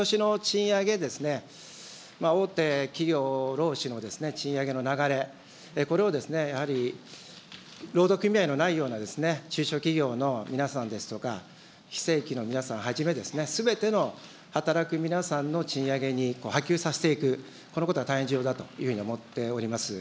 ことしの賃上げですね、大手企業労使の賃上げの流れ、これをですね、やはり労働組合のないような中小企業の皆さんですとか、非正規の皆さんはじめ、すべての働く皆さんの賃上げに波及させていく、このことは大変重要だというふうに思っております。